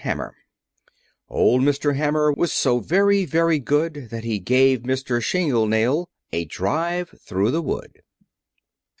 HAMMER Old Mr. Hammer Was so very, very good, That he gave Mr. Shingle Nail A drive through the wood.